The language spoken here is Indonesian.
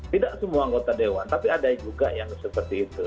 tidak semua anggota dewan tapi ada juga yang seperti itu